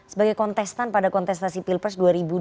sebagai kontestan pada kontestasi pilpres dua ribu dua puluh